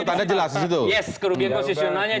tanda jelas disitu yes kerugian koosisionalnya